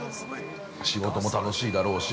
仕事も楽しいだろうし。